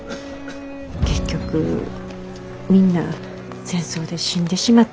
結局みんな戦争で死んでしまっていたんだけど。